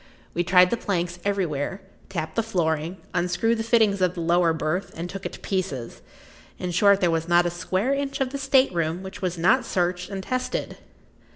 We tried the planks everywhere, tapped the flooring, unscrewed the fittings of the lower berth and took it to pieces—in short, there was not a square inch of the state room which was not searched and tested.